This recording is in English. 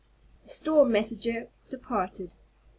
The storm messenger departed.